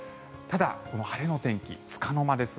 ただ、この晴れの天気つかの間です。